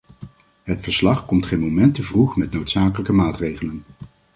Het verslag komt geen moment te vroeg met noodzakelijke maatregelen.